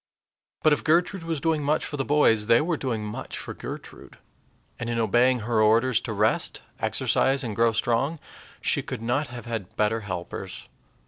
But if Gertrude was doing much for the boys, they were doing much for Gertrude; and in obeying her orders to rest, exercise, and grow strong, she could not have had better helpers.